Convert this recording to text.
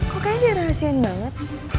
kok kayaknya dia rahasianya banget